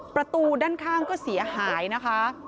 ประตูด้านข้างก็เสียหายนะคะ